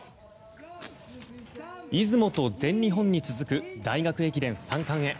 出雲と全日本に続く大学駅伝三冠へ。